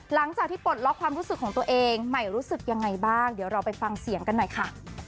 หลังจากที่ปลดล็อกความรู้สึกของตัวเองใหม่รู้สึกยังไงบ้างเดี๋ยวเราไปฟังเสียงกันหน่อยค่ะ